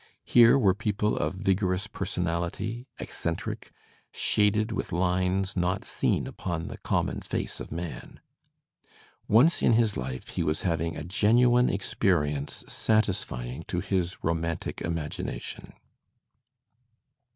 Here were people of vigorous personaKty, eccentric, shaded with lines not seen upon the conmion face of man. Once in his life he was having a genuine experience satisfying to his romantic imagination.